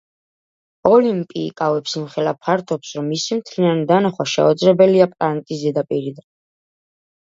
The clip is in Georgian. ოლიმპი იკავებს იმხელა ფართობს, რომ მისი მთლიანი დანახვა შეუძლებელია პლანეტის ზედაპირიდან.